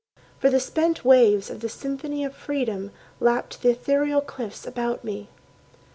For the spent waves of the symphony of freedom Lapped the ethereal cliffs about me.